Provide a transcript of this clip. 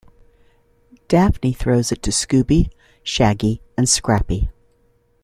Daphne throws it to Scooby, Shaggy, and Scrappy.